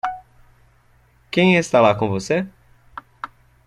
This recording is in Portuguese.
Quem está lá com você?